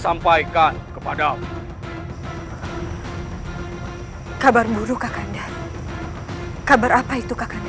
apakah kata kata penteimbangan mereka lebih kunjung akan kata kata mak glide dan katakan tanda